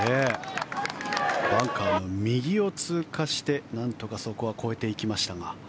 バンカーの右を通過してなんとかそこは越えていきましたが。